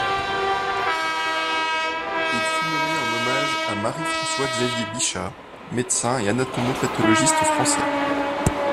Il fut nommé en hommage à Marie François Xavier Bichat, médecin et anatomo-pathologiste français.